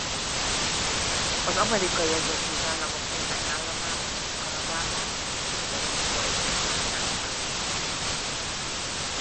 Az Amerikai Egyesült Államok néhány államában és Kanadában invazív fajként tartják számon.